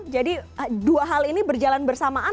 jadi dua hal ini berjalan bersamaan